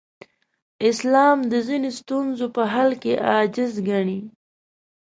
اسلام د ځینو ستونزو په حل کې عاجز ګڼي.